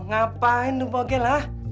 ngapain lu bokeh lah